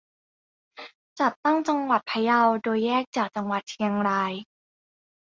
จัดตั้งจังหวัดพะเยา โดยแยกจากจังหวัดเชียงราย